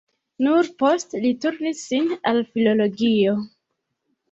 Nur poste li turnis sin al filologio.